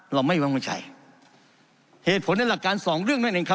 ไม่วางใจเหตุผลในหลักการสองเรื่องนั่นเองครับ